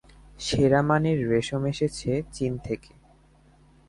সেরা মানের রেশম এসেছে চীন থেকে।